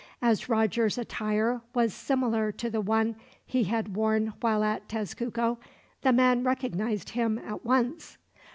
As Roger's attire was similar to the one he had worn while at Tezcuco, the man recognized him at once.